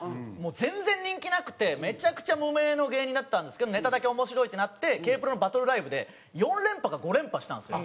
全然人気なくてめちゃくちゃ無名の芸人だったんですけどネタだけ面白いってなってＫ−ＰＲＯのバトルライブで４連覇か５連覇したんですよ。